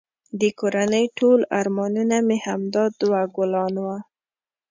د کورنی ټول ارمانونه همدا دوه ګلان وه